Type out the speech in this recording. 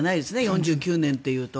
４９年というと。